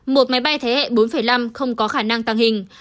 một máy bay thế hệ bốn năm không có khả năng tăng hình